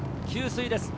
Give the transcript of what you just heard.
給水です。